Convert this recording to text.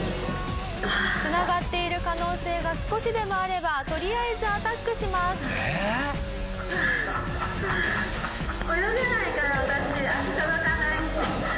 「繋がっている可能性が少しでもあればとりあえずアタックします」「えーっ！？」